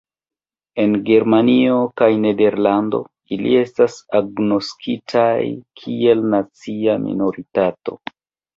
En Germanio kaj Nederlando ili estas agnoskitaj kiel nacia minoritato.